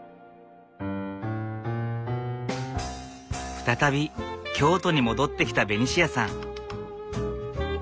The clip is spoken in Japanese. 再び京都に戻ってきたベニシアさん。